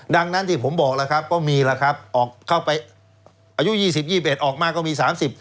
ดังนั้นที่ผมบอกก็มีครับอายุ๒๐๒๑ออกมาก็มี๓๐